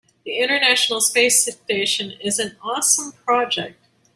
The international space station is an awesome project.